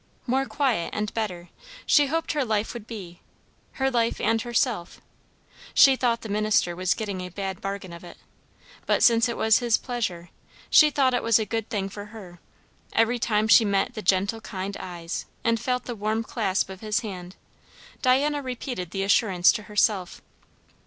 More quiet and better, she hoped her life would be; her life and herself; she thought the minister was getting a bad bargain of it, but since it was his pleasure, she thought it was a good thing for her; every time she met the gentle kind eyes and felt the warm clasp of his hand, Diana repeated the assurance to herself.